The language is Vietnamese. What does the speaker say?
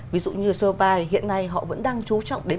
ví dụ như soapy hiện nay họ vẫn đang chú trọng đến